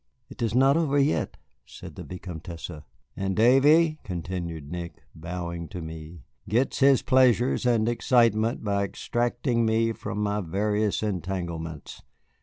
"It is not over yet," said the Vicomtesse. "And Davy," continued Nick, bowing to me, "gets his pleasures and excitement by extracting me from my various entanglements.